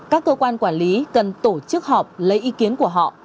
các cơ quan quản lý cần tổ chức họp lấy ý kiến của họ